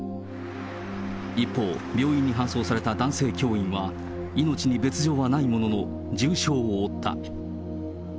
一方、病院に搬送された男性教員は、命に別状はないものの、重傷を負った。